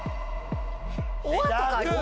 「ｏｒ」とかあるよ